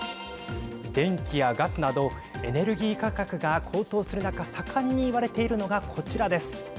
電気やガスなどエネルギー価格が高騰する中、盛んに言われているのが、こちらです。